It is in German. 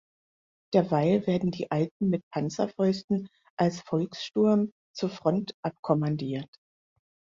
Derweil werden die Alten mit Panzerfäusten als Volkssturm zur Front abkommandiert.